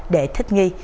để thích nghi